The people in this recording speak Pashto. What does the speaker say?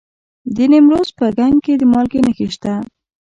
د نیمروز په کنگ کې د مالګې نښې شته.